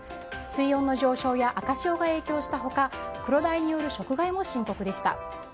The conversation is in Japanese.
水温の上昇や赤潮が影響した他クロダイによる食害も深刻でした。